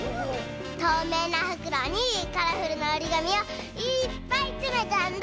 とうめいなふくろにカラフルなおりがみをいっぱいつめたんだ！